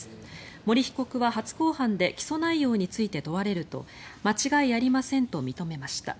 森被告は初公判で起訴内容について問われると間違いありませんと認めました。